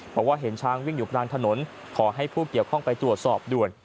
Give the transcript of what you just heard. บอกว่าเห็นช้างวิ่งอยู่กลางถนนขอให้ผู้เกี่ยวข้องไปตรวจสอบด่วน